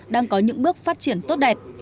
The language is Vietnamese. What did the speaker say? đang có những bước phát triển tốt đẹp